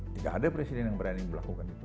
tidak ada presiden yang berani melakukan itu